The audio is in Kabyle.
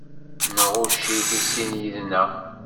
Nɣucc-it i sin yid-nneɣ.